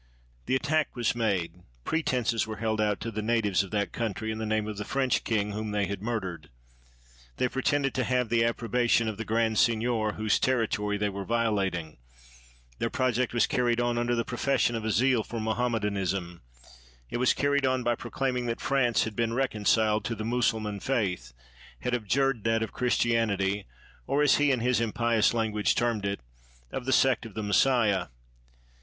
The attack was made ; pretenses were held out to the natives of that country in the name of the French king whom they had murdered. They pretended to have the approbation of the grand seignior whose territory they were violating; their project was carried on under the profession of a zeal for Mohammedanism; it was carried on by proclaiming that France had been recon ciled to the Mussulman faith, had abjured that of Christianity, or, as he in his impious lan guage termed it, of the sect of the Messiah.